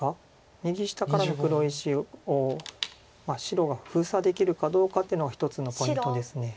右下からの黒石を白が封鎖できるかどうかっていうのが一つのポイントです。